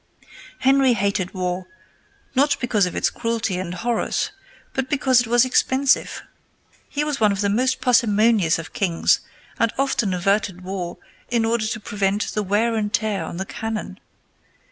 Henry hated war, not because of its cruelty and horrors, but because it was expensive. He was one of the most parsimonious of kings, and often averted war in order to prevent the wear and tear on the cannon.